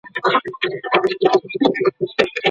نخښه ویشتل بې ټوپکه نه کېږي.